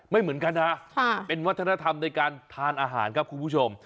ไม่เหมือนกันนะเป็นวัฒนธรรมในการทานอาหารครับคุณผู้ชม